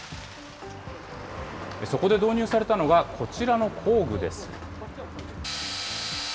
そこで導入されたのがこちらの工具です。